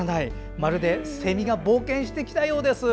まるでせみが冒険してきたようです。